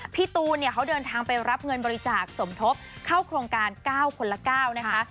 พี่ตูนเนี่ยเขาเดินทางไปรับเงินบริจาคสมทบเข้าโครงการ๙คนละ๙นะคะ